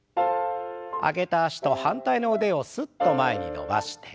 上げた脚と反対の腕をすっと前に伸ばして。